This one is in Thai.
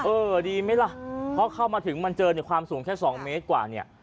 เออดีไหมล่ะเพราะเข้ามาถึงมันเจอในความสูงแค่๒เมตรกว่าเนี่ย